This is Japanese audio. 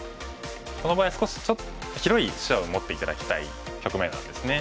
この場合少し広い視野を持って頂きたい局面なんですね。